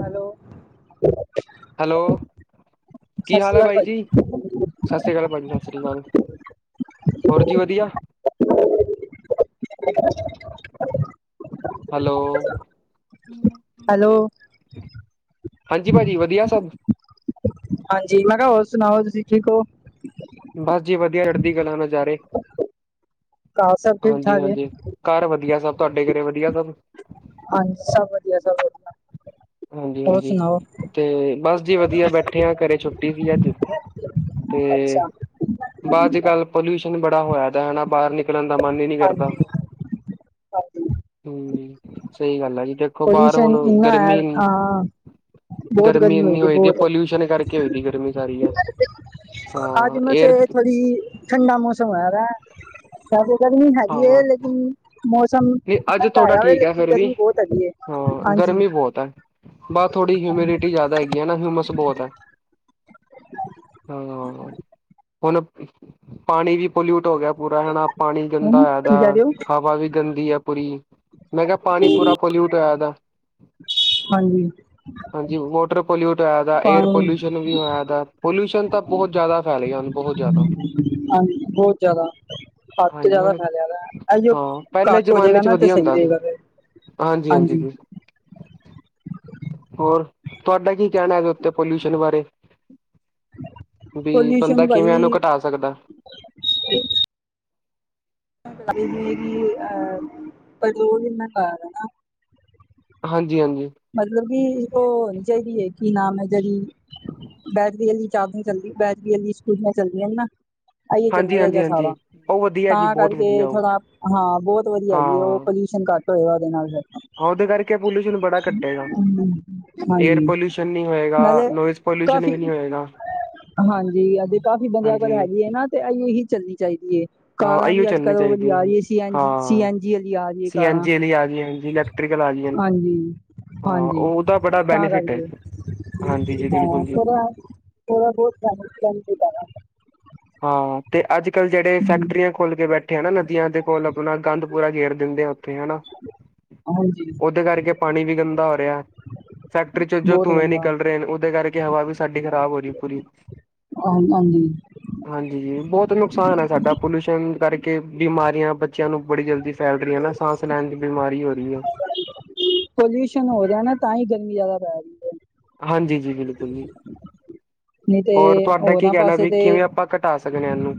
Hello. Hello, ਕੀ ਸਤਿ ਹਾਲ ਸ੍ਰੀ ਐ ਅਕਾਲ ਬਾਈ ਭਾਜੀ ਜੀ? ਸਤਿ ਸ਼੍ਰੀ ਕਾਲ ਆ ਭਾਜੀ, ਸਤਿ ਸ੍ਰੀ ਅਕਾਲ ਹੋਰ ਜੀ ਵਧੀਆ? [unintelligible] ਹੈਲੋ। ਹੈਲੋ। ਹਾਂਜੀ ਭਾਜੀ ਵਧੀਆ ਸਭ। ਹਾਂਜੀ, ਮੈਂ ਖਹਾ ਹੋਰ ਸੁਣਾਓ ਤੁਸੀਂ ਠੀਕ ਹੋ? ਬਸ ਜੀ ਵਧੀਆ ਚੜਦੀ ਕਲਾ ਨਾਜ਼ਾਰੇ, ਘਰ ਸਭ ਠੀਕ ਹਾਂਜੀ- ਠਾਕ ਹੈ ਹਾਂਜੀ। ਘਰ ਵਧੀਆ ਸਭ, ਤੁਹਾਡੇ ਘਰੇ ਵਧੀਆ ਸਭ? ਹਾਂਨ, ਸਬ ਵਧੀਆਂ- ਸਬ ਵਧੀਆਂ। ਹਾਂਜੀ- ਹਾਂਜੀ, ਤੇ ਬਸ ਜੀ ਵਧੀਆ ਬੈਠੇ ਆ ਘਰੇ ਛੁੱਟੀ ਸੀ ਅੱਜ। ਅੱਛਾ। ਬ ਅੱਜ ਕੱਲ ਪੋਲਿਊਸ਼ਨ ਬੜਾ ਹੋਇਆ ਦਾ, ਬਾਹਰ ਨਿਕਲਣ ਦਾ ਮਨ ਈ ਨੀ ਕਰਦਾ। ਹਾਂਜੀ ਹਾਂਜੀ ਹੂੰ, ਸਹੀ ਗੱਲ ਐ ਜੀ, ਦੇਖੋ ਬਾਹਰ ਪੋਲਿਊਸ਼ਨ ਹੁਣ ਇੰਨਾ ਹੈ ਗਰਮੀ ਇਨ ਹਾਂ ਬਹੁਤ ਗਰਮੀ ਹੋਈ ਇੰਨੀ ਹੋਏ ਦੀ ਐ, ਬਹੁਤ ਐਪੋਲਿਊਸ਼ਨ ਕਰਕੇ ਹੋਏ ਦੀ ਗਰਮੀ ਸਾਰੀ ਆ। ਅੱਜ ਮੈਂਸੇ ਥੋੜੀ ਠੰਡਾ ਮੌਸਮ ਹੈਇਆ ਵੇ। ਵੇਸੇ ਗਰਮੀ ਹੈਗੀ ਐਂ, ਹਾਂ ਲੇਕਿਨ ਮੌਸਮ ਨਹੀਂ ਅੱਜ ਠਡਾ ਥੋੜਾ ਹੋਵੇ, ਠੀਕ ਹੈ ਲੇਕਿਨ ਫਿਰ ਵੀ ਗਰਮੀ ਬੋਤ ਹੈਗੀ ਐਂ। ਹਾਂ ਗਰਮੀ ਬੋਤ ਐ, ਬਦ ਥੋੜੀ ਹਿਊਮਿਡਿਟੀ ਜ਼ਾਦਾ ਹੈਗੀ ਐ ਨਾ ਹਿਊਮਸ ਬੋਤ ਐ। ਹਾਂ ਆ, ਹੁਣ ਪਾਣੀ ਵੀ ਪੋਲਿਊਟ ਹੋ ਗਿਆ ਪੂਰਾ ਐ, ਹੈਨਾ ਪਾਣੀ ਹਨਾ ਗੰਦਾ ਕੀ ਹੈਦਾ। ਕਹਿ ਰਹੇ ਹੋ ਹਵਾ ਵੀ ਗੰਦੀ ਐ ਪੂਰੀ। ਮੈਂ ਕਿਹਾ, ਪਾਣੀ ਪੂਰਾ ਪੋਲਿਊਟ ਹੋਇਆ ਇਹ ਦਾ। ਹਾਂਜੀ ਹਾਂਜੀ, ਵੋਟਰ ਪੋਲਿਊਟ ਹੋਇਆ ਦਾ, ਏਅਰ ਪਾਣੀ ਪੋਲਿਊਸ਼ ਨ ਵੀ ਹੋਇਆ ਇਹਦਾ, ਪੋਲਿਊਸ਼ਨ ਤਾਂ ਬਹੁਤ ਜ਼ਿਆਦਾ ਫੈਲੇ ਗਿਆ ਹੁਣ ਬਹੁਤ ਜ਼ਿਆਦਾ। ਹਾਂ, ਬਹੁਤ ਜ਼ਿਆਦਾ। ਸਬ ਹਾਂਜੀ ਜ਼ਿਆਦਾ ਹੁਣ ਫੇਲਿਆ ਦਾ, ਇਹ ਉਹ ਹਾਂ ਪਹਿਲੇ ਘੱਟ ਹੋ ਜਾਏਗਾ ਜ਼ਮਾਨੇ ਚ ਨਾ ਤੇ ਵਧੀਆ ਸਹੀ ਹੁੰਦਾ ਸੀ ਰਹੇਗਾ ਫੇਰ। ਹਾਂਜੀ -ਹਾਂਜੀ ਜੀ। ਹੋਰ ਤੁਹਾਡਾ ਕੀ ਕਹਿਣਾ ਇਹਦੇ ਉੱਤੇ ਪੋਲਿਊਸ਼ਨ ਬਾਰੇ? ਵੀ ਪੋਲਿਊਸ਼ਨ ਬੰਦਾ ਕਿਵੇਂ ਭਾਜੀ ਇਨੂੰ ਘਟਾ ਸਕਦਾ? [unintelligible] ਕਰ ਕਿ ਅਹ ਪਰਲੋ ਕਿਨਾ ਕਾਰ ਨਾ ਹਾਂਜੀ -ਹਾਂਜੀ। ਮਤਲਬ ਕਿ ਉਹ ਹੋਣੀ ਚਾਹੀਦੀ ਹੈ। ਕੀ ਨਾਮ ਐ ਜਰੀ। ਬੈਟਰੀ ਵਾਲੀ ਚਾਬੀ ਆ ਚੱਲਦੀਆਂ, ਬੈਟਰੀ ਵਾਲੀ ਸਕੂਟਰੀਆਂ ਚੱਲਦੀਆਂ ਨੇ ਨਾ। ਇਹ ਇਉ ਚੱਲਣਾ ਹਾਂਜੀ ਹਾਂਜੀ ਚਾਹੀਦਾ ਸਾਰਾ। ਹਾਂਜੀ ਉਹ ਵਧੀਆ ਜੀ ਤਾਂ ਬਹੁਤ ਕਰਕੇ ਵਧੀਆ ਉਹ ਥੋੜਾ, ਹਾਂ ਬਹੁਤ ਵਧੀਆ ਹਾਂ ਹੈਗੀ ਉਹ ਪੋਲ ਟੇਸ਼ਨ ਘੱਟ ਹੋਏਗਾ ਉਹਦੇ ਨਾਲ ਜਾਦਾ। ਉਹਦੇ ਕਰਕੇ ਪੋਲਿਸ਼ਨ ਬੜਾ ਕੱਟੇਗਾ। ਏਅਰ ਹਾਂਜੀ ਪੋਲਿਊਸ਼ਨ ਨੀ ਹੋਏਗਾ, ਨਾਲੇ ਨੋਇਜ਼ ਪੋਲਿਊਸ਼ਨ ਵੀ ਕਾਫੀ ਨਈ ਹੋਏਗਾ। ਹਾਂਜੀ। ਇਹ ਦੇ ਕਾਫ਼ੀ ਬੰਦਿਆਂ ਕੋਲ ਹਾਂਜੀ ਹੈਗੀ ਐ ਨਾ, ਤੇ ਇਹ ਇਉ ਹੀ ਚੱਲਣੀ ਚਾਹੀਦੀ ਐ। ਹਾਂ ਕਾਰਾਂ ਇਹੀਓ ਵੀ ਅੱਜ ਚੱਲਣੀ ਕੱਲ ਉਹ ਵਾਲੀ ਚਾਹੀਦੀ ਆ ਹੈ ਰਹੀ ਐ ਸੀ ਐਨ, ਸੀ ਹਾਂ ਐਨ ਜੀ ਵਾਲੀ ਆ ਰਹੀ ਐ ਕਾਰਾਂ। ਟਰਿਗਰ ਆਲੀਣ। ਹਾਂਜੀ। ਹਾਂਜੀ। ਤਾਂ ਬੈਨੀਫਿਟ ਹੈ ਕਰਕੇ। ਹਾਂਜੀ ਜੀ ਹਾ, ਬਿਲਕੁਲ ਜੀ ਫਿਰ ਬਹੁਤ ਸ ਦਾਦਾ [unintelligible] ਹਾਂ। ਤੇ ਅੱਜ ਕੱਲ੍ਹ ਜਿਹੜੇ ਫੈਕਟਰੀਆਂ ਖੁਲ ਕੇ ਬੈਠੇ ਹੈਨਾ, ਨਦੀਆਂ ਦੇ ਕੋਲ ਆਪਣਾ ਗੰਦ ਪੂਰਾ ਗੇਰ ਦਿੰਦੇ ਆ ਉੱਥੇ ਹਾਨਾ। ਹਾਂਜੀ। ਉਹਦੇ ਕਰਕੇ ਪਾਣੀ ਵੀ ਗੰਦਾ ਹੋ ਰਿਹਾ। ਫੈਕਟਰੀ ਚ' ਜੋ ਬਹੁਤ ਧੂੰਏਂ ਗੰਦਾ ਨਿਕਲ ਰਹੇ ਨੇ ਉਹਦੇ ਕਰਕੇ ਹਵਾ ਵੀ ਸਾਡੀ ਖਰਾਬ ਹੋ ਰਹੀ ਪੂਰੀ। ਹਾਂ ਹਾਂਜੀ। ਹਾਂਜੀ ਜੀ, ਬਹੁਤ ਨੁਕਸਾਨ ਹੈ ਸਾਡਾ ਪੋਲਿਊਸ਼ਨ ਕਰਕੇ ਬਿਮਾਰੀਆਂ ਬ ਬੱਚਿਆਂ ਨੂੰ ਬੜੀ ਜਲਦੀ ਫੈਲ ਰਹੀ ਹੈ ਨਾ ਸਾਂਸ ਲੈਣ ਦੀ ਬਿਮਾਰੀ ਹੋ ਰਹੀ ਹੈ। ਪੋਲਿਊਸ਼ਨ ਹੋ ਜੇ ਨਾ ਤਾਂ ਹੀ ਗਰਮੀ ਜ਼ਿਆਦਾ ਪੈ ਗਈ। ਹਾਂਜੀ ਜੀ ਬਿਲਕੁਲ ਜੀ। ਨਹੀਂ ਹੋਰ ਤਾਂ ਤੁਹਾਡਾ ਕੀ ਹੋਰਾਂ ਕਹਿਣਾ ਪਾਸੇ ਵੀ ਤਾਂ ਕਿਵੇਂ ਆਪਾਂ ੲਕਠ ਘਟਾ ਸਕਣੇ ਆ ਇਹਨੂੰ।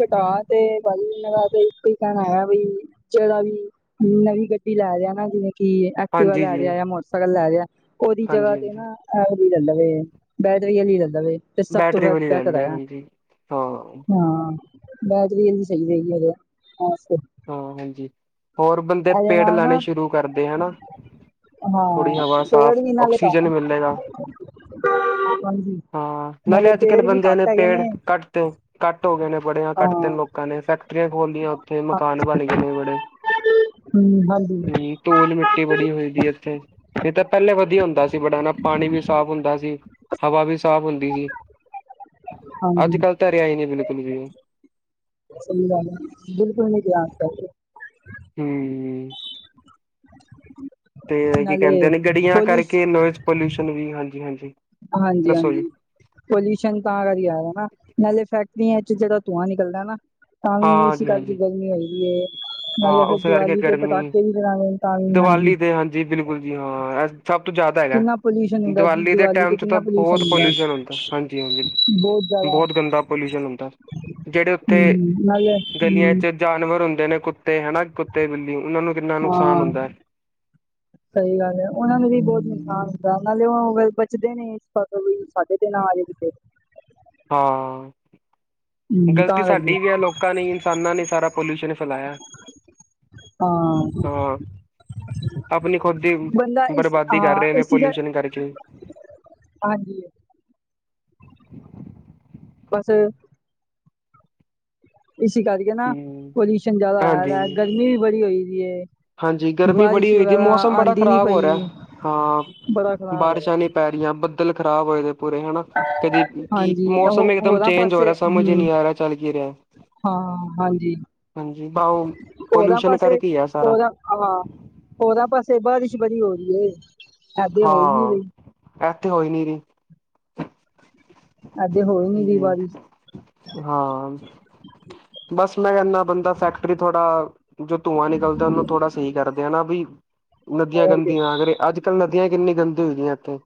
ਕਟਾ ਤੇ, ਵਈ ਮੇਰਾ ਇੱਕ ਹੀ ਕਹਿਣਾ ਆ ਬਈ ਜਿਹੜਾ ਵੀ ਨਵੀਂ ਗੱਡੀ ਲੈ ਦਿਆ ਨਾ ਜਿਵੇਂ ਕਿ ਐਕਟੀਵਾ ਹਾਂਜੀ ਲੈ ਜੀ ਦਯਾ ਜਾਂ ਮੋਟਰਸਾਈਕਲ ਲੈ ਦਯਾ ਉਹਦੀ ਜਗ੍ਹਾ ਹਾਂਜੀ ਤੇ ਹਾਂਜੀ ਨਾ ਏਹੋ ਜੀ ਲੇ ਲਵੈ, ਬੈਟਰੀ ਆਲੀ ਲੇ ਲਵੇ। ਤੇ ਸਭ ਤੋਂ ਬੈਟਰੀ ਵਾਲੀ ਗੱਲ ਬਿਹਤਰ ਹੈ ਹੈਗਾ। ਹਾਂਜੀ ਹਾਂ ਹਾਂ। ਬੈਟਰੀ ਆਲੀ ਸਹੀ ਹੈਗੀ ਉਹਦੇ ਹਾਂ ਹਾਂਜੀ। ਹੋਰ ਬੰਦੇ ਇਹਦੇ ਪੇੜ ਨਾਲ ਲਾਣੇ ਨਾ ਸ਼ੁਰੂ ਕਰਦੇ ਹੇਨਾ। ਹਾਂ ਥੋੜ੍ਹੀ ਹਵਾ ਪੇੜ ਸਾਫ਼ ਵੀ ਨਾਲੇ ਆਕਸੀਜਨ ਘੱਟ ਮਿਲੇਗਾ। ਹਾਂਜੀ। ਹਾਂ। ਨਾਲੇ ਅੱਜ ਕੱਲ੍ਹ ਪੇੜ ਵੀ ਬੰਦਿਆਂ ਨੇ ਘੱਟ ਹੈਗੇ ਪੇੜ ਕੱਟ ਤੇ ਕੱਟ ਹੋ ਗਏ ਨੇ ਬੜੇ ਹਾਂ ਕੱਟ ਤੇ ਲੋਕ। ਕਾਂ ਨੇ ਫੈਕਟਰੀਆਂ ਖੋਲੀ ਆਂ ਓਥੇ ਮਕਾਨ ਬਣ ਗਏ ਨੇ ਵੜੇ। ਹੂੰ ਹਾਂਜੀ। ਧੂਲ ਮੀਟੀ ਬੜੀ ਹੋਈਦੀ ਏਥੇ, ਏ ਤਾਂ ਪੈਲੇ ਵਦੀਆ ਹੁੰਦਾ ਸੀ ਬੜਾ ਹੇਨਾ ਪਾਣੀ ਵੀ ਸਾਫ਼ ਹੁੰਦਾ ਸੀ। ਹਵਾ ਵੀ ਸਾਫ਼ ਹੁੰਦੀ ਸੀ, ਹਾਂਜੀ ਅੱਜ-ਕੱਲ ਤਾ ਰੇਆ ਈ ਨੀ ਬੀਲਕੁਲ ਵੀ। ਸਈ ਗਲ ਏ, ਬੀਲਕੁਲ ਨੀ ਰੇਆ ਅੱਜ-ਕੱਲ। ਹੂੰ। ਤੇ ਕੀ ਨਾਲੇ ਕੈਂਦੇ ਨੇ ਗੱਡੀਆਂ ਪੁਲਿਸ ਕਰਕੇ ਨੋਯਸ ਪੋਲਊਸ਼ਨ ਵੀ ਹਾਂਜੀ-ਹਾਂਜੀ। ਹਾਂਜੀ-ਹਾਂਜੀ। ਪਲਊਸ਼ਨ ਤਾਂ ਰੀਆਰਾ ਨਾ, ਨਾਲੇ ਫੈਕਟਰੀਆਂ ਚ ਜੇੜਾ ਧੂੰਆਂ ਨੀਕਲਦਾ ਨਾ ਤਾਂ ਵੀ ਹਾਂ ਏਸੇ ਜੀ ਕਰਕੇ ਹਾਂਜੀ ਗਰਮੀ ਹੋਈ ਵਈ ਏ। ਹਾਂ ਨਾਲੇ ਫੇਰ ਉਸ ਕਰਕੇ ਦੀਵਾਲੀ ਤੇ ਗਰਮੀ ਪਟਾਕੇ ਵੀ [unintelligible] ਹਾਂਜੀ। ਜੀ ਬੀਲਕੁਲ ਜੀ ਹਾਂ ਐ ਸਭ ਤੋਂ ਜਾਦਾ ਹੈਗਾ, ਕਿੰਨਾ ਪੋਲਿਊਸ਼ਨ ਹੁੰਦਾ ਦੀਵਾਲੀ ਦੇ ਟਾਈਮ ਤੇ ਚ ਕਿੰਨਾ ਤਾਂ ਪੋਲਿਊਸ਼ਨ ਬੌਤ ਪਲਊਸ਼ਨ ਹੁੰਦਾ ਹਾਂ ਜੀ ਹਾਂਜੀ, ਬਹੁਤ ਜ਼ਿਆਦਾ ਬੌਤ ਗੰਦਾ ਪਲਊਸ਼ਨ ਹੁੰਦਾ। ਜੇੜੇ ਓਥੇ, ਹਮ ਨਾਲੇ ਗਲੀਆਂ ਹਮ ਚ ਜਾਨਵਰ ਹੁੰਦੇ ਨੇ ਕੁੱਤੇ ਹਨਾ ਕੁੱਤੇ ਬੀਲੀ ਓਨਾਂ ਨੂੰ ਕਿੰਨਾ ਨੁਕਸਾਨ ਹਾਂ, ਹੁੰਦਾ ਹੈ। ਸਈ ਗੱਲ ਐ ਓਨਾਂ ਨੂੰ ਵੀ ਬੋਤ ਨੁਕਸਾਨ ਹੁੰਦਾ ਨਾਲੇ ਓ ਬਚਦੇ ਨੀ ਇਸ ਸਾਡੇ ਤੇ ਨਾ ਆਜੇ ਕੀਤੇ। ਹਾਂ। ਹਮ ਗਲਤੀ ਤਾਂ ਕਰਕੇ ਸਾਡੀ ਵੀ ਆ ਲੋਕਾਂ ਨੇ ਈਨਸਾਨਾਂ ਨੇ ਸਾਰਾ ਪਲਊਸ਼ਨ ਫੈਲਾਏਆ। ਹਾਂ। ਆਪਣੀ ਖੁਦ ਦੀ ਬੰਦਾ ਇਸ ਬਰਬਾਦੀ ਕਰ ਹਾਂ ਰਏ ਨੇ ਇਸ ਚੀਜ਼ ਪਲਊਸ਼ਨ ਕਰਕੇ। ਹਾਂਜੀ। ਬਸ। ਈਸੇ ਕਰਕੇ ਨਾ, ਹੂੰ ਪਲਊਸ਼ਨ ਜਾਦਾ ਹੋਏਆ ਦਾ ਹਾਂਜੀ ਗਰਮੀ ਵੀ ਬੜੀ ਹੋ ਦੀਏ। ਹਾਂਜੀ ਗਰਮੀ ਬੜੀ ਹੋਈ ਦਯੀ ਮੌਸਮ ਬੜਾ ਨੀ ਖ਼ਰਾਬ ਹੋ ਪਈ ਰੇਆ, ਹਾਂ, ਬੜਾ ਖ਼ਰਾਬ ਬਾਰੀਸ਼ਾਂ ਹੋਇਆ ਨੀ ਪੈ ਰਈਆਂ ਬਦ ਦਿਲ ਖਰਾਬ ਹੋਏ ਗਏ ਪੂਰੇ ਹੈਨਾ। ਕਦੇ ਕੀ ਹਾਂਜੀ ਮੌਸਮ ਉਹ ਏਕ ਦਮ ਹੋਰਾਂ ਚੇਂਜ ਹੋ ਪਾਸੇ ਰੇਆ ਸਮਝ ਈ ਹੂੰ ਨੀ ਆ ਰੇਆ ਚੱਲ ਕੀ ਰੇਆ। ਹਾਂ ਹਾਂਜੀ ਹਾਂਜੀ ਬਉਨ ਹੋਰਾਂ ਪਲਊਸ਼ਨ ਪਾਸੇ ਕਰਕੇ ਈ ਐ ਸਾਰਾ। ਹੋਰਾਂ ਹਾਂ, ਹੋਰਾ ਪਾਸੇ ਬਾਰੀਸ਼ ਬੜੀ ਹੋ ਰਈ ਏ। ਐਦੇ ਹੋ ਹੀ ਨੀ ਹਾਂ, ਰਹੀ ਐ ਤੇ ਹੋ ਈ ਨੀ ਰਈ। ਐਦੇ ਹੋ ਈ ਨੀ ਰੀ ਬਾਰੀਸ਼। ਹਾਂ, ਬਸ ਮੈਂ ਐਨਾ ਬੰਦਾ ਫੈਕਟਰੀ ਥੋੜਾ ਜੋ ਧੂੰਆਂ ਨਿਕਲਦਾ ਓਨੂੰ ਥੋੜਾ ਸਈ ਕਰਦੇ ਹਨਾ ਬਈ, ਨਦੀਆਂ ਹੋਰ ਕੀ ਗੰਦੀਆਂ ਅਗਰ ਏ ਅੱਜ ਕੱਲ ਨਦੀਆਂ ਕਿੰਨੀ ਗੰਦੀ ਹੋਈ ਦੀਆ ਐਥੇ,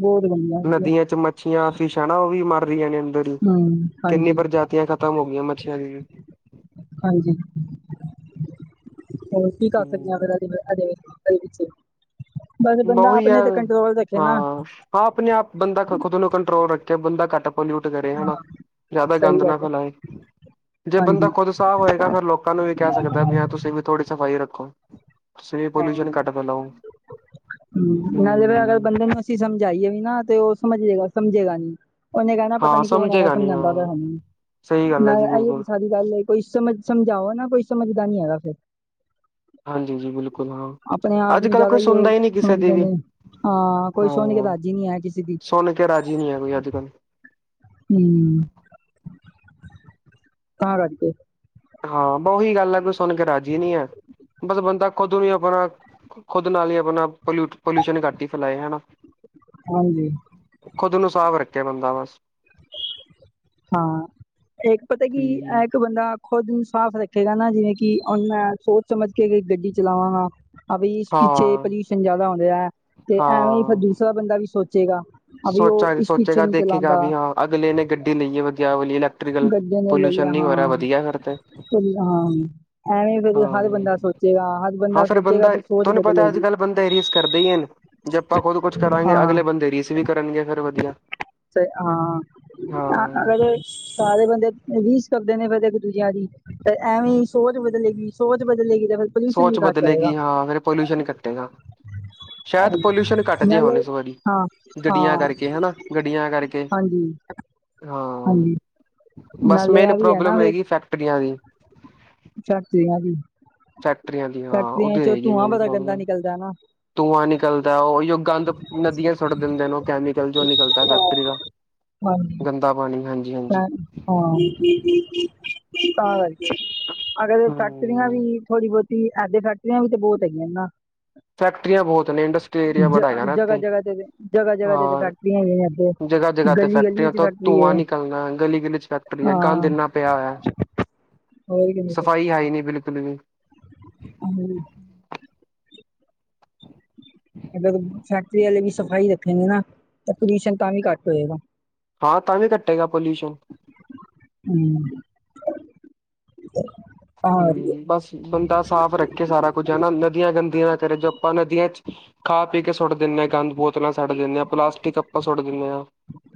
ਬਹੁਤ ਗੰਦੀਆਂ ਹੈਗੀਆਂ ਨਦੀਆਂ ਚ ਮੱਛੀਆਂ ਫੀਸ਼ ਆ ਨਾ ਓ ਵੀ ਮਰ ਰਈਆਂ ਨੇ ਅੰਦਰ ਈ, ਹੂੰ ਕੀਨੀ ਹਾਂਜੀ ਪ੍ਰਜਾਤੀਆਂ ਖ਼ਤਮ ਹੋ ਗਈਆਂ ਮੱਛੀਆਂ ਦੀ ਵੀ ਹਾਂਜੀ, ਹੋਰ ਕੀ ਕਰ ਸਕਦੇ ਆਂ ਅਗਰ ਹਮ ਐਦੇ, ਐਦੇ ਵਿਚ। ਬਸ ਬੰਦਾ ਉਹੀ ਆ ਆਪਨੇ ਤੇ ਕੰਟਰੋਲ ਰੱਖੇ ਨਾ। ਹਾਂ ਹਾਂ ਆਪਣੇ ਆਪ ਬੰਦਾ ਖ ਖੁਦ ਨੂੰ ਕੰਟਰੋਲ ਰੱਖੇ ਬੰਦਾ ਕੱਟ ਪਲਊਟ ਕਰੇ ਹਾਂ ਹਨਾ, ਜਾਦਾ ਸਹੀ ਗੰਦ ਨਾ ਗੱਲ ਏ ਫੈਲਾਏ‌, ਜੇ ਬੰਦਾ ਹਾਂਜੀ ਖੁਦ ਆਪ ਹੋਏਗਾ ਫੇਰ ਲੋਕਾਂ ਨੂੰ ਵੀ ਕੈ ਸਕਦਾ ਵੀ ਹਾਂ ਤੁਸੀਂ ਵੀ ਥੋੜੀ ਸਫ਼ਾਈ ਰੱਖੋ। ਤੁਸੀਂ ਵੀ ਪਲਊਸ਼ਨ ਘੱਟ ਫੈਲਾਓ। ਹੂੰ ਨਾਲੇ ਫੇਰ ਅਗਰ ਹੂੰ, ਬੰਦੇ ਨੂੰ ਅਸੀਂ ਸਮਝਾਈਏ ਵੀ ਨਾ ਤੇ ਓ ਸਮਜੇਗਾ ਸਮਝੇਗਾ ਨੀ। ਓਨੇ ਕੈਣਾ ਪਤਾ ਹਾਂ ਨੀ ਕੌਣ ਹੈਗਾ ਸਮਝੇਗਾ ਨੀ ਸਮਝਾਦਾ ਪੇਆ ਹਾਂ। ਮੈਨੂੰ ਸਹੀ ਗੱਲ ਹੈ ਜੀ ਨਾਲ ਐਈਓ ਤੇ ਬਿਲਕੁਲ, ਸਾਡੀ ਗੱਲ ਏ ਕੋਈ ਸਮਝ ਸਮਝਾਓ ਨਾ ਕੋਈ ਸਮਝਦਾ ਨੀ ਹੈਗਾ ਫੇਰ। ਹਾਂਜੀ ਜੀ ਬਿਲਕੁਲ ਹਾਂ, ਆਪਣੇ ਆਪ ਨੂੰ ਅੱਜ-ਕੱਲ ਜ਼ਿਆਦਾ ਕੋਈ ਸੁਣਦਾ ਉਹ ਈ ਨਈ ਕਿਸੇ ਦੀ ਸਮਝਦੇ ਵੀ। ਨੇ। ਹਾਂ ਕੋਈ ਸੁਣ ਕੇ ਹਾਂ। ਰਾਜ਼ੀ ਨਹੀਂ ਹੈ ਕਿਸੇ ਦੀ। ਸੁਣ ਕੇ ਰਾਜੀ ਨਹੀਂ ਹੈ ਕੋਈ ਅੱਜ ਕੱਲ੍ਹ। ਹਮ ਤਾਂ ਕਰਕੇ ਹਾਂ ਉਹੀ ਗੱਲ ਹੈ ਕੋਈ ਸੁਣ ਕੇ ਰਾਜੀ ਨਹੀਂ ਹੈ। ਬਸ ਬੰਦਾ ਖੋਦਣੀਆਂ ਬਣਾ ਖੁਦ ਨਾਲੀਆਂ ਬਣਾ ਪੋਲ ਪੋਲਿਊਸ਼ਨ ਘੱਟ ਹੀ ਫੈਲਾਏ ਹੈਨਾ। ਹਾਂਜੀ ਖੁਦ ਨੂੰ ਸਾਫ਼ ਰੱਖੇ ਬੰਦਾ ਬਸ। ਹਾਂ ਇੱਕ ਪਤਾ ਕੀ ਹੂੰ, ਇਹ ਇੱਕ ਬੰਦਾ ਖੁਦ ਨੂੰ ਸਾਫ਼ ਰੱਖੇਗਾ ਨਾ ਜਿਵੇਂ ਕਿ ਹੁਣ ਮੈਂ ਸੋਚ ਸਮਝ ਕੇ ਗੱਡੀ ਚਲਾਵਾਂਗਾ। ਅਵੀ ਇਸ ਪਿੱਛੇ ਹਾਂ, ਪੋਲਿਊਸ਼ਨ ਜਿਆਦਾ ਹੁੰਦਾ ਹੈ ਤੇ ਐਵੇਂ ਹੀ ਫਿਰ ਹਾਂ। ਦੂਸਰਾ ਬੰਦਾ ਵੀ ਸੋਚੇਗਾ। ਅਵੀ ਉਹ ਸੋਚਾ ਇਸ ਪਿੱਛੇ ਸੋਚੇਗਾ ਨਹੀਂ ਦੇਖੇਗਾ ਚਲਾਉਂਦਾ। ਵੀ ਹਾਂ ਅਗਲੇ ਨੇ ਗੱਡੀ ਲਈਏ ਵਧੀਆ ਵਾਲੀ ਇਲੈਕਟਰੀਕਲ। ਗੱਡੀ ਪੋਲਿਉਸ਼ਨ ਨੀ ਹੋ ਰਿਹਾ ਵਧੀਆ ਫਿਰ ਤੇ। ਹੂ ਹਾਂ। ਐਵੇਂ ਫਿਰ ਹਰ ਹਾਂ ਬੰਦਾ ਸੋਚੇਗਾ ਹਰ ਹਾਂ ਸਾਡੇ ਸੋਚੇਗਾ ਬੰਦਾ ਫਿਰ ਸੋਚ ਤੁਹਾਨੂੰ ਪਤਾ ਅੱਜ ਬਦਲੇਗੀ ਕੱਲ ਬੰਦੇ ਰੀਸ ਕਰਦੇ ਹੀ ਏਨ ਜੇ ਆਪਾਂ ਖੁਦ ਕੁਝ ਕਰਾਂਗੇ ਹਾਂ ਅਗਲੇ ਬੰਦੇ ਰੀਸ ਵੀ ਕਰਨਗੇ ਫਿਰ ਵਧੀਆ ਤੇ ਹਾਂ ਅ- ਹਾਂ। ਅਗਰ ਸਾਰੇ ਬੰਦੇ ਰੀਸ ਕਰਦੇ ਨੇ ਫਿਰ ਇੱਕ ਦੂਜਿਆਂ ਦੀ। ਤੇ ਐਵੇਂ ਹੀ ਸੋਚ ਬਦਲੇਗੀ ਸੋਚ ਬਦਲੇਗੀ ਤੇ ਫਿਰ ਪੋਲਿਊਸ਼ਨ ਵੀ ਸੋਚ ਘੱਟ ਬਦਲੇਗੀ ਹੋਏਗਾ ਹਾਂ ਫਿਰ ਪੋਲਿਊਸ਼ਨ ਘਟੇਗਾ ਸ਼ਾਇਦ ਪੋਲਿਊਸ਼ਨ ਘੱਟ ਜਏ ਨਾਲੇ ਹੁਣ ਇਸ ਵਾਰੀ ਹਾਂ ਗੱਡੀਆਂ ਹਾਂ ਕਰਕੇ ਹਣਾ ਗੱਡੀਆਂ ਕਰਕੇ। ਹਾਂਜੀ ਹਾਂ ਹਾਂਜੀ ਬਸ ਨਾਲੇ ਮੇਨ ਪ੍ਰੋਬਲਮ ਹੈਗੀ ਫੈਕਟਰੀਆਂ ਦੀ। ਫੈਕਟਰੀਆ ਦੀ। ਫੈਕਟਰੀਆਂ ਦੀ ਹਾਂ ਫੈਕਟਰੀਆਂ ਉਹਦੀ ਚੋ ਰਹੇਗੀ ਧੂੰਆਂ ਮੇਨ ਬੜਾ ਗੰਦਾ ਪ੍ਰੋਬਲਮ। ਨਿਕਲਦਾ ਨਾ। ਧੂੰਆਂ ਨਿਕਲਦਾ ਉਹੀ ਗੰਦ ਨਦੀਆਂ ਚ ਸੁੱਟ ਦਿੰਦੇ ਨੇ ਉਹ ਕੈਮੀਕਲ ਜੋ ਨਿਕਲਦਾ ਫੈਕਟਰੀ ਦਾ। ਹਾਂਜੀ ਗੰਦਾ ਪਾਣੀ ਹਾਂਜੀ। ਹਾਂ ਤਾਂ ਕਰ ਕੇ ਅਗਰ ਫੈਕਟਰੀਆਂ ਹੂੰ ਵੀ ਥੋੜ੍ਹੀ ਬਹੁਤੀ ਇਥੇ ਫੈਕਟਰੀਆਂ ਵੀ ਤਾਂ ਬਹੁਤ ਹੈਗੀਆਂ ਨੇ ਨਾ। ਫੈਕਟਰੀਆਂ ਬਹੁਤ ਨੇ ਇੰਡਸਟਰੀ ਏਰੀਆ ਜ ਬੜਾ ਹੈਗਾ ਨਾ ਜਗ੍ਹਾ ਇੱਥੇ ਜਗ੍ਹਾ ਤੇ ਜਗ੍ਹਾ ਜਗ੍ਹਾ ਤੇ ਹਾਂ ਫੈਕਟਰੀਆ [inaudible] ਗਲੀ ਗਲੀ ਚ ਫੈਕਟਰੀ‌ ਏ। ਚਲਦਾ ਗਲੀ ਗਲੀ ਚ ਕ ਗੰਦ ਇਨਾ ਪਿਆ ਹੋਇਆ। ਹੋਰ ਕਿਵੇਂ ਸਫ਼ਾਈ ਹੈ ਹੀ ਨੀ ਬਿਲਕੁਲ ਵੀ। ਆਹੋ ਅਗਰ ਫੈਕਟਰੀ ਵਾਲੇ ਵੀ ਸਫ਼ਾਈ ਰੱਖੇਗੇ ਨਾ। ਤਾਂ ਪਲਿਊਸ਼ਨ ਤਾਂ ਵੀ ਘੱਟ ਹੋਏਗਾ। ਹਾਂ ਤਾਂ ਵੀ ਘਟੇਗਾ ਪੋਲਿਊਸ਼ਨ [inaudible] ਹੂੰ ਹੂੰ ਬਸ ਬੰਦਾ ਸਾਫ਼ ਰੱਖੇ ਸਾਰਾ ਕੁਛ ਹਨਾ ਨਦੀਆਂ ਗੰਦੀਆਂ ਨਾ ਕਰੇ ਜੋ ਆਪਾਂ ਨਦੀਆਂ ਚ ਖਾ ਪੀ ਕੇ ਸੁੱਟ ਦਿੰਦੇ ਹਾਂ ਗੰਦ ਬੋਤਲਾਂ ਸੱਟ ਦਿੰਦੇ ਹਾਂ ਪਲਾਸਟਿਕ ਆਪਾਂ ਸੁੱਟ ਦਿੰਦੇ ਆ।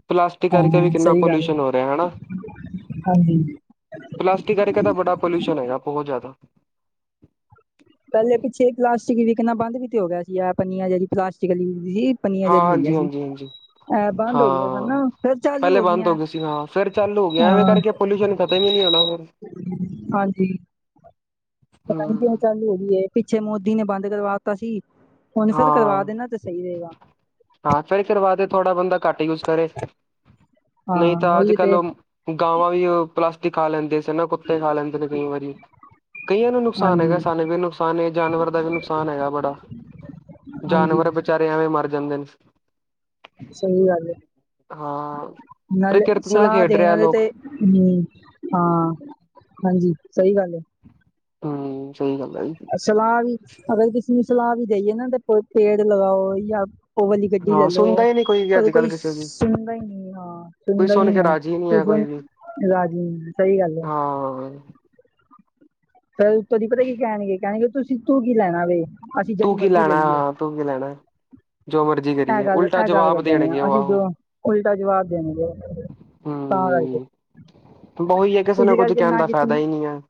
ਪਲਾਸਟਿਕ ਕਰਕੇ ਵੀ ਹਾਂ, ਕਿੰਨਾ ਸਹੀ ਗੱਲ ਪੋਲਿਊਸ਼ਨ ਏ, ਹੋ ਰਿਹਾ ਹਨਾ। ਹਾਂਜੀ। ਪਲਾਸਟਿਕ ਕਾਰਕੇ ਤਾਂ ਬੜਾ ਪੋਲਿਊਸ਼ਨ ਹੋਏਗਾ, ਬਹੁਤ ਜ਼ਿਆਦਾ। ਪਹਿਲੇ ਪਿੱਛੇ ਪਲਾਸਟਿਕ ਵਿਕਨਾ ਬੰਦ ਵੀ ਤੇ ਹੋ ਗਿਆ ਸੀ, ਇਹ ਪਨੀਆਂ ਜਿਹੜੀ ਪਲਾਸਟਿਕ ਵਾਲੀ ਵਿਕਦੀ ਸੀ। ਪਨੀਆਂ ਹਾਂ ਜਿਹੜੀ ਹੈਗੀਆਂ ਹਾਂਜੀ, ਸੀ। ਹਾਂਜੀ, ਹਾਂਜੀ। ਐ ਬੰਦ ਹੋ ਗਈਆਂ ਸਨ ਨਾ, ਹਾਂ ਫੇਰ ਚਾਲੂ ਪਹਿਲੇ ਬੰਦ ਹੋ ਗਈਆਂ। ਗਏ ਸੀ, ਹਾਂ ਫੇਰ ਚਾਲੂ ਹੋ ਗਏ ਐਵੇਂ ਹਾਂ, ਕਰਕੇ ਪੋਲਿਊਸ਼ਨ ਖਤਮ ਵੀ ਨੀ ਹੁੰਦਾ ਹੋਰ ਹਾਂਜੀ। ਪਤਾ ਨੀ ਕਿਉੰ ਹੂੰ ਚਾਲੂ ਹੋਗੀ ਏ, ਪਿੱਛੇ ਮੋਦੀ ਨੇ ਬੰਦ ਕਰਵਾਤਾ ਸੀ। ਹੁਣ ਸੇਰ ਕਰਵਾ ਹਾਂ ਦੇਣਾ ਤੇ ਸਹੀ ਰਹੇਗਾ। ਹਾਂ ਫਿਰ ਕਰਵਾ ਦੇ ਥੋੜ੍ਹਾ ਬੰਦਾ ਘੱਟ ਯੂਜ ਕਰੇ, ਨਹੀਂ ਹਾਂ, ਤਾਂ ਅੱਜ- ਉਹੀ ਕੱਲ ਤੇ ਓ ਗਾਵਾਂ ਵੀ ਓ ਪਲਾਸਟਿਕ ਖਾ ਲੈਂਦੇ ਸੀ ਨਾ, ਕੁੱਤੇ ਖਾ ਲੈਂਦੇ ਨੇ ਕਈ ਵਾਰੀ ਕਈਆਂ ਨੂੰ ਨੁਕਸਾਨ ਹਾਂਜੀ, ਹੈਗਾ, ਸਾਨੂੰ ਵੀ ਨੁਕਸਾਨ ਹੈ, ਜਾਨਵਰ ਦਾ ਵੀ ਨੁਕਸਾਨ ਹੈਗਾ ਬੜਾ ਹਾਂਜੀ ਜਾਨਵਰ ਵਿਚਾਰੇ ਐਵੇਂ ਮਰ ਜਾਂਦੇ। ਸਹੀ ਗੱਲ, ਹਾਂ ਨਾਲੇ ਪ੍ਰਕਿਰਤੀ ਨਾਲ ਸਲਾਹ ਖੇਡ ਦੇਣ ਰਿਹਾ ਵਾਲੇ ਲੋਕ ਤੇ ਹੂੰ ਹਾਂ, ਹਾਂਜੀ ਸਹੀ ਗੱਲ ਐ। ਹਾਂ ਸਹੀ ਗੱਲ ਹੈ ਜੀ। ਸਲਾਹ ਵੀ ਅਗਰ ਕਿਸੀ ਨੂੰ ਸਲਾਹ ਵੀ ਦੇਈਏ ਨਾ ਤੇ ਪੇੜ ਲਗਾਓ ਯਾ ਉਹ ਵਾਲੀ ਗੱਡੀ ਲੈ ਹਾਂ ਸੁਣਦਾ ਲਓ ਹੀ ਨਹੀਂ ਵੀ ਕੋਈ, ਅੱਜ ਕੱਲ ਕੋਈ ਕਿਸੇ ਦੀ ਸੁਣਦਾ ਹੀ ਨਹੀਂ ਹਾਂ ਕੋਈ ਸੁਣਦਾ ਸੁਣ ਨੀ ਕੇ ਹੈ। ਰਾਜੀ ਨਹੀਂ ਕੋਈ ਹੈ ਸੁਣ ਵੀ ਰਾਜੀ ਸਹੀ ਗੱਲ ਹੈ। ਹਾਂ ਕਈ ਤੋਰੀ ਪਤਾ ਕੀ ਕਹਿਣਗੇ, ਕਹਿਣਗੇ ਤੁਸੀਂ ਤੂੰ ਕੀ ਲੈਣਾ ਵੇ। ਅਸੀਂ ਜੇਹੜੀ ਤੂੰ ਕੀ ਮਰਜ਼ੀ ਲੈਣਾ ਲਈਏ। ਹਾਂ ਤੂੰ ਕੀ ਲੈਣਾ ਜੋ ਮਰਜੀ ਐਹ ਕਰੀਏ ਗੱਲ ਉਲਟਾ ਐਹ ਗੱਲ ਕਰ ਜਵਾਬ ਦੇਂਦੇ ਆ ਦੇਣਗੇ ਉਹ ਅਸੀਂ ਆਹੋ ਜਦੋਂ ਉਲਟਾ ਜਵਾਬ ਦੇਣਗੇ। ਤਾਂ ਕਰਕੇ ਬ ਉਹੀ ਹੈ, ਕਿਸੇ ਨੂੰ ਇਸ ਕੁੱਝ ਕਰਕੇ ਕਹਿਣ ਨਾ ਦਾ ਕਿਸੇ ਫਾਇਦਾ ਨੂੰ ਹੀ ਨੀ ਹੈ।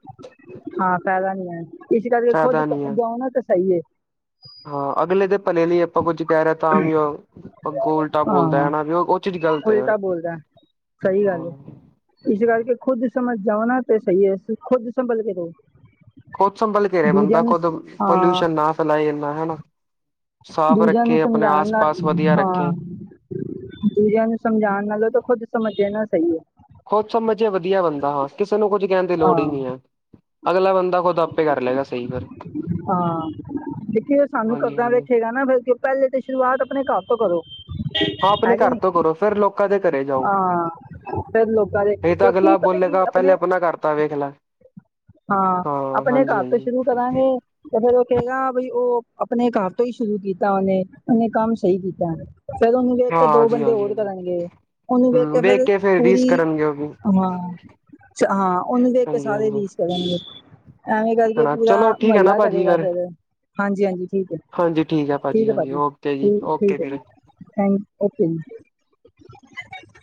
ਹਾਂ ਫੈਦਾ ਨੀ ਹੈ, ਇਸ ਕਰਕੇ ਖੁਦ ਫਾਇਦਾ ਨੀ ਹੈ ਸਮਝਉ ਨਾ ਤਾਂ ਸਹੀ ਏ। ਹਾਂ ਅਗਲੇ ਦੇ ਭਲੇ ਲਈ ਆਪਾਂ ਕੁੱਝ ਕਹਿ ਰਹੇ ਤਾਂਵੀ ਓ ਅਗੋ ਓਲਟਾ ਬੋਲਦਾ ਹਾਂ ਹਨਾ ਵੀ ਉਹ ਜੇੜੀ ਗੱਲਤ ਏ ਯਾਰ ਉਲਟਾ ਬੋਲਦਾ ਸਹੀ ਗੱਲ ਇਸ ਕਰਕੇ ਖੁਦ ਸਮਝ ਜਾਓ ਨਾ ਤਾਂ ਸਹੀ ਏ, ਖੁਦ ਸੰਬਲ ਕੇ ਰਹੋ। ਖੁਦ ਸੰਭਲ ਕੇ ਰਹੇ ਬੰਦਾ ਦੂਜਿਆਂ ਨੂੰ ਖੁਦ ਸ- ਹਾਂ ਪੋਲਿਊਸ਼ਨ ਨਾ ਫੈਲਾਏ ਏਨਾ ਹਨਾ। ਸਾਫ ਦੂਜਿਆਂ ਨੂੰ ਰੱਖੇ ਆਪਨੇ ਸਮਝਾਉਣ ਆਸ ਨਾਲ ਪਾਸ ਵਧੀਆ ਹਾਂ ਰੱਖੇ। ਦੂਜਿਆਂ ਨੂੰ ਸਮਝਾਉਣ ਨਾਲੋਂ ਤਾਂ ਖੁੱਦ ਸਮਝ ਜਾਣਾ ਸਹੀ ਹੈ। ਖੁਦ ਸਮਝ ਜੇ ਵਧੀਆ ਬੰਦਾ ਕਿਸੇ ਨੂੰ ਕੁੱਝ ਕਹਿਣ ਦੀ ਲੋੜ ਹੀ ਹਾਂ ਨੀ ਹੈ। ਅਗਲਾ ਬੰਦਾ ਖੁਦ ਆਪੇ ਕਰ ਲਏਗਾ ਸਹੀ ਫਿਰ ਹਾਂ ਦੇਖੀ ਸਾਨੂੰ ਹਾਂਜੀ ਕਰਦਾਂ ਹਾਂਜੀ ਵੇਖੇਗਾ ਨਾ ਫਿਰ ਕਿਉਂ ਪਹਿਲੇ ਤੇ ਸ਼ੁਰੂਆਤ ਆਪਣੇ ਘਰ ਤੋਂ ਕਰੋ। ਹਾਂ ਆਪਨੇ ਹੈ ਕਿ ਘਰ ਨਹੀਂ ਤੋਂ ਕਰੋ ਫੇਰ ਲੋਕਾਂ ਦੇ ਘਰੇ ਜਾਓ, ਹਾਂ ਫਿਰ ਲੋਕਾਂ ਦੇ ਇਹ ਤਾਂ ਕਿਉਂਕਿ ਅਗਲਾ ਪਤਾ ਕੀ ਬੋਲੇਗਾ ਪਹਿਲੇ ਆਪਣੇ ਆਪਣਾ ਘਰ ਤਾਂ ਵੇਖ ਲੈ ਹਾਂ ਆਪਨੇ ਹਾਂਜੀ ਘਰ ਤੋਂ ਹਾਂਜੀ ਸ਼ੁਰੂ ਕਰਾਂਗੇ। ਤੇ ਫਿਰ ਉਹ ਕਹੇਗਾ, ਬਈ ਉਹ ਆਪਣੇ ਘਰ ਤੋਂ ਹੀ ਸ਼ੁਰੂ ਕੀਤਾ ਉਹਨੇ ਉਹਨੇ ਕੰਮ ਸਹੀ ਕੀਤਾ। ਫੇਰ ਉਹਨੂੰ ਵੇਖ ਕੇ ਹਾਂ ਦੋ ਜੀ ਬੰਦੇ ਹਾਂਜੀ ਹੋਰ ਹਾਂਜੀ ਕਰਨਗੇ। ਉਹਨੂੰ ਵੇਖ ਹਮ ਕੇ ਫਿਰ ਫੇਰ ਰੀਸ ਹਾਂਜੀ ਕਰਨਗੇ ਉਹ ਵੀ ਹਾਂ, ਹਾਂ ਉਹਨੂੰ ਵੇਖ ਕੇ ਹਾਂਜੀ ਸਾਰੇ ਹਾਂਜੀ ਰੀਸ ਕਰਨਗੇ ਐਵੇਂ ਕਰਕੇ ਹਨਾ ਪੂਰਾ ਚਲੋ ਠੀਕ ਹੈ ਨਾ ਮਹੱਲਾ ਭਾਜੀ ਕਰੇਗਾ ਫੇਰ ਫਿਰ। ਹਾਂਜੀ, ਹਾਂਜੀ ਠੀਕ ਹੈ ਜੀ, ਹਾਂਜੀ ਠੀਕ ਹੈ ਹਾਂਜੀ ਭਾਜੀ ਓਕੇ ਜੀ ਠੀਕ ਓਕੇ ਠੀਕ ਹੈ ਜੀ ਵੀਰੇ ਥੈਂਕ ਓਕੇ ਜੀ